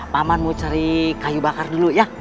paman mau cari kayu bakar dulu ya